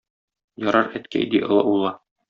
Ярар, әткәй, - ди олы улы.